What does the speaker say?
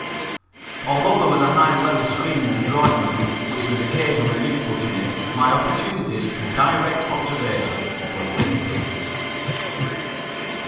Although there was a high leather screen in the drawing room which was occasionally useful to me, my opportunities for direct observation were limited.